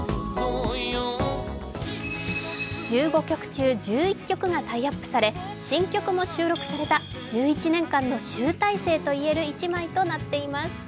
１５曲中１１曲がタイアップされ、新曲も収録された１１年間の集大成といえる１枚となっています。